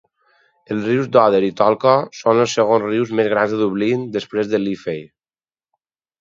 Els rius Dodder i Tolka són els segons rius més grans de Dublín, després de Liffey.